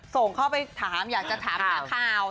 ส่งเข้าไปถามอยากจะถามหาข่าว